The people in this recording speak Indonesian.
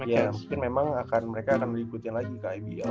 ya mungkin memang mereka akan mengikuti lagi ke ibl